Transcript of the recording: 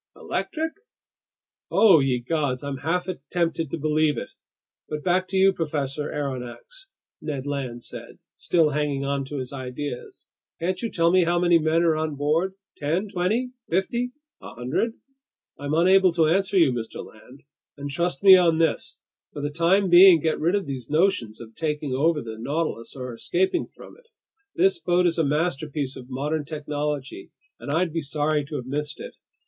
"Electric?" "Oh ye gods, I'm half tempted to believe it! But back to you, Professor Aronnax," Ned Land said, still hanging on to his ideas. "Can't you tell me how many men are on board? Ten, twenty, fifty, a hundred?" "I'm unable to answer you, Mr. Land. And trust me on this: for the time being, get rid of these notions of taking over the Nautilus or escaping from it. This boat is a masterpiece of modern technology, and I'd be sorry to have missed it!